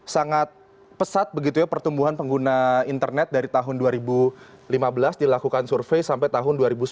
sangat pesat begitu ya pertumbuhan pengguna internet dari tahun dua ribu lima belas dilakukan survei sampai tahun dua ribu sembilan belas